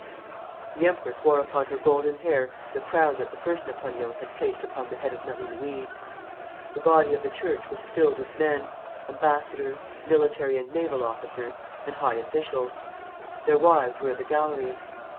The empress wore upon her golden hair the crown that the First Napoleon had placed upon the head of Marie Louise. The body of the church was filled with men, ambassadors, military and naval officers, and high officials. Their wives were in the galleries.